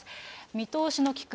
見通しの利く